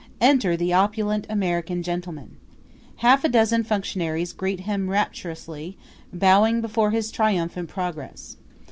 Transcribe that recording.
Enter the opulent American gentleman. Half a dozen functionaries greet him rapturously, bowing before his triumphant progress.